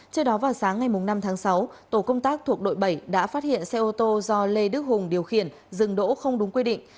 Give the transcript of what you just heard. trước đó vào sáng ngày năm tháng sáu tổ công tác thuộc đội bảy đã phát hiện xe ô tô do lê đức hùng điều khiển dừng đỗ không đúng quy định